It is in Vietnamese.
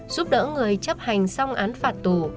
giúp đỡ người chấp hành xong án phạt tù